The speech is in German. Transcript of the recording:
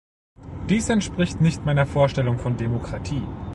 Dies entspricht nicht meiner Vorstellung von Demokratie.